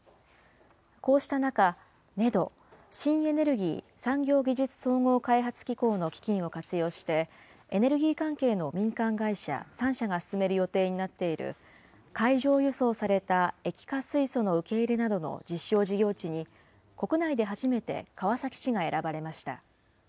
こうした中、ＮＥＤＯ・新エネルギー・産業技術総合開発機構の基金を活用して、エネルギー関係の民間会社３社が進める予定になっている海上輸送された液化水素の受け入れなどの実証事業地に、国内で初めて川崎市が選ばれました。